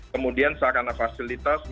kemudian sarana fasilitas